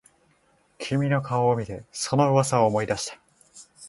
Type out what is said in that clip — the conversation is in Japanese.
君の顔を見てその噂を思い出した